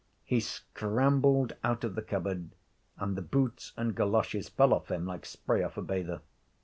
He scrambled out of the cupboard, and the boots and goloshes fell off him like spray off a bather.